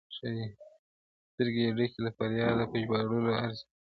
سترګي یې ډکي له فریاده په ژباړلو ارزي,